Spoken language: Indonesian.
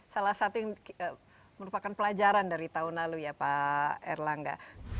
salah satu yang merupakan pelajaran dari tahun lalu ya pak erlangga